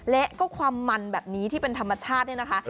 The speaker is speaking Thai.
และก็ความมันแบบนี้ที่เป็นธรรมชาติเนี่ยนะคะ